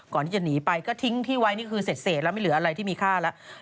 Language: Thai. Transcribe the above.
ก่อนที่จะหนีไปก็ทิ้งที่ไว้นี่คือเสร็จแล้วไม่เหลืออะไรที่มีค่าแล้ว